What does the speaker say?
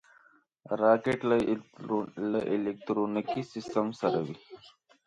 راکټ له الکترونیکي سیسټم سره وي